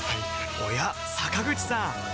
おや坂口さん